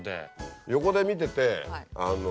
横で見ててあの。